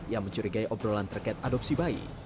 yang mencurigai obrolan terkait adopsi bayi